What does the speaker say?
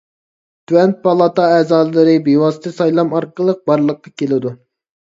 تۆۋەن پالاتا ئەزالىرى بىۋاسىتە سايلام ئارقىلىق بارلىققا كېلىدۇ.